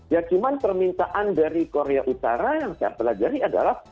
ya cuman permintaan dari korea utara yang saya pelajari adalah